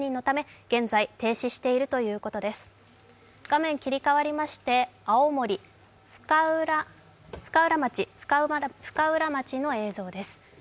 画面、切り替わりまして青森・深浦町の映像です。